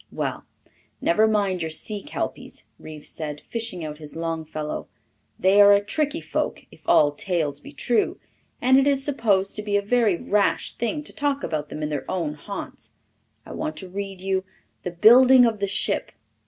"Well, never mind your sea kelpies," Reeves said, fishing out his Longfellow. "They are a tricky folk, if all tales be true, and it is supposed to be a very rash thing to talk about them in their own haunts. I want to read you 'The Building of the Ship.'